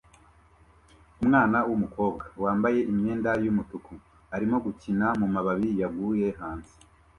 Umwana wumukobwa wambaye imyenda yumutuku arimo gukina mumababi yaguye hanze